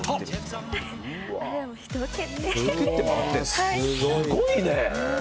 すごいね！